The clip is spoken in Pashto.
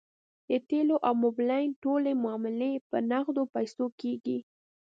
د تیلو او موبلاین ټولې معاملې په نغدو پیسو کیږي